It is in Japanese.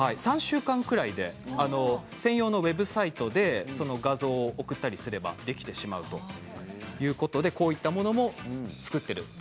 ３週間くらいで専用のウェブサイトで画像を送ったりすればできてしまうということで、こういったものを作っている。